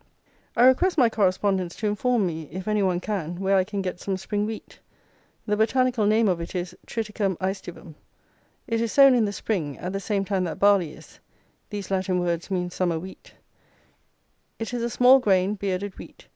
I request my correspondents to inform me, if any one can, where I can get some spring wheat. The botanical name of it is, Triticum Æstivum. It is sown in the spring, at the same time that barley is; these Latin words mean summer wheat. It is a small grained, bearded wheat.